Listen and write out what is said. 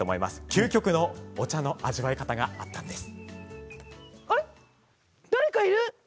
究極の味わい方があったんです。